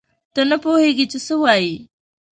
ته نه پوهېږې چې څه وایې.